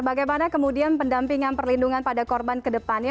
bagaimana kemudian pendampingan perlindungan pada korban ke depannya